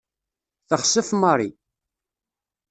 Texsef Mary.